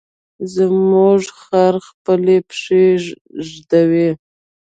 زموږ خر خپلې پښې ږدوي.